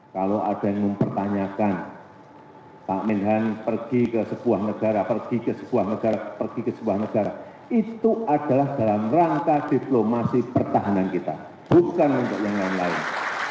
kalau ada yang mempertanyakan pak menhan pergi ke sebuah negara pergi ke sebuah negara pergi ke sebuah negara itu adalah dalam rangka diplomasi pertahanan kita bukan untuk yang lain lain